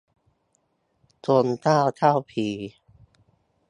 ทรงเจ้าเข้าผี